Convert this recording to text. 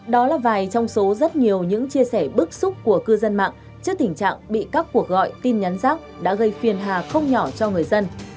đó là vài trong số rất nhiều những chia sẻ bức xúc của cư dân mạng trước tình trạng bị các cuộc gọi tin nhắn rác đã gây phiền hà không nhỏ cho người dân